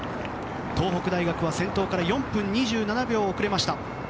東北大学は先頭から４分２７秒遅れました。